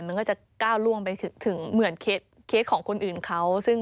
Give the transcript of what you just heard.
มันก็จะก้าวล่วงไปถึงเหมือนเคสของคนอื่นเขา